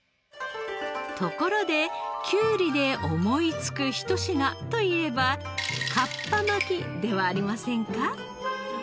ところできゅうりで思いつく一品といえばかっぱ巻きではありませんか？